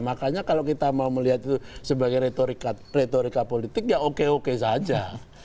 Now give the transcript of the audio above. makanya kalau kita mau melihat itu sebagai retorika politik ya oke oke saja